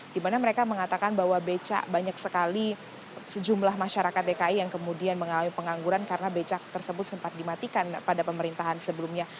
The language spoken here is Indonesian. dimana mereka mengatakan bahwa becak banyak sekali sejumlah masyarakat dki yang kemudian mengalami pengangguran karena becak tersebut sempat dimatikan pada pemerintahan sebelumnya